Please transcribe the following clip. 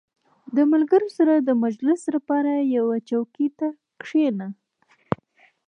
• د ملګرو سره د مجلس لپاره یوې چوکۍ ته کښېنه.